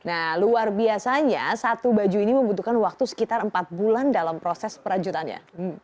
nah luar biasanya satu baju ini membutuhkan waktu sekitar empat bulan dalam proses perajutannya